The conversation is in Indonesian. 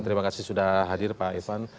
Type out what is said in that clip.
terima kasih sudah hadir pak ivan